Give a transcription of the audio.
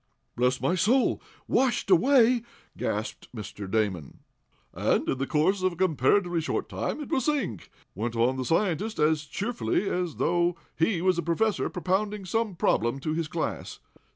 "Bless my soul! Washed away!" gasped Mr. Damon. "And, in the course of a comparatively short time, it will sink," went on the scientist, as cheerfully as though he was a professor propounding some problem to his class.